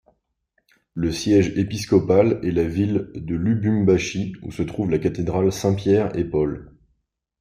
Le siège épiscopal est la ville de Lubumbashi, où se trouve la cathédrale Saints-Pierre-et-Paul.